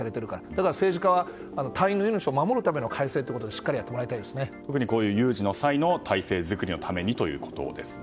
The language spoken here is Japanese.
だから政治家は隊員の命を守るための改正を特に有事の際の体制作りのためにということですね。